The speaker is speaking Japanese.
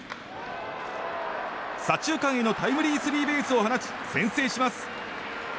左中間へのタイムリースリーベースを放ち先制します。